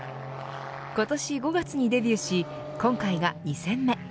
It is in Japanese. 今年５月にデビューし今回が２戦目。